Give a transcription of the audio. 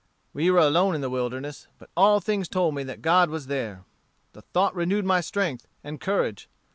We were alone in the wilderness, but all things told me that God was there. The thought renewed my strength and courage.